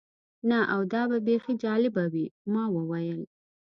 نه، او دا به بیخي جالبه وي. ما وویل.